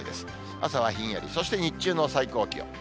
朝はひんやり、そして日中の最高気温。